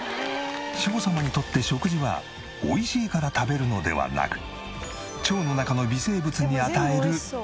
志保様にとって食事はおいしいから食べるのではなく腸の中の微生物に与えるエサ。